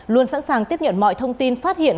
luôn sẵn sàng tiếp nhận mọi thông tin phát hiện